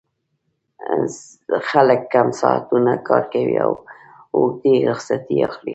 خلک کم ساعتونه کار کوي او اوږدې رخصتۍ اخلي